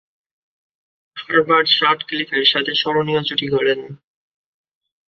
Herbert সাটক্লিফের সাথে স্মরণীয় জুটি গড়েন।